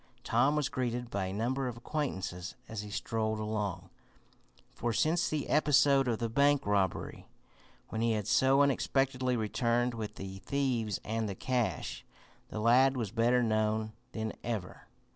Tom was greeted by a number of acquaintances as he strolled along, for, since the episode of the bank robbery, when he had so unexpectedly returned with the thieves and the cash, the lad was better known than ever.